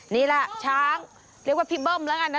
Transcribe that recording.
นี่แหละช้างเรียกว่าพี่เบิ้มแล้วกันนะ